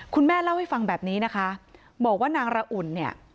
คุณแม่เล่าให้ฟังแบบนี้นะคะบอกว่านางระอุ่นเนี่ย